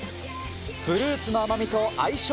フルーツの甘みと相性